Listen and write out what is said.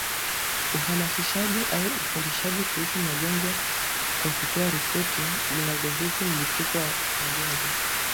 uhamasishaji au ufundishaji kuhusu magonjwa kwa kutoa ripoti zinazohusu milipuko ya magonjwa